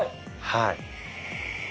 はい。